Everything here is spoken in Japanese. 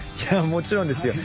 もちろんですよ。